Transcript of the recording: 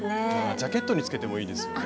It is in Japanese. ジャケットにつけてもいいですよね。